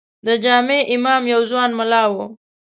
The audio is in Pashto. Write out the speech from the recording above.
د جامع امام یو ځوان ملا و.